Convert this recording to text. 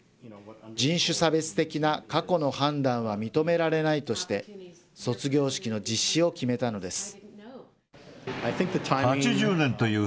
人種差別的な過去の判断は認められないとして、卒業式の実施を決めたのです。